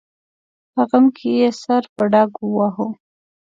په غم کې یې سر په ډاګ وواهه.